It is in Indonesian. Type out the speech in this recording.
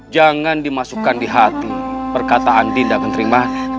jangan dimasukkan di hati perkataan dinda keterimaan